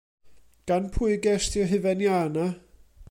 Gan pwy gest ti'r hufen ia 'na?